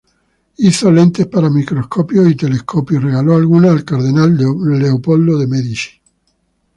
Hizo lentes para microscopios y telescopios, y regaló algunas al cardenal Leopoldo de Medici.